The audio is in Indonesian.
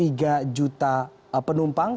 ini mencapai enam belas juta penumpang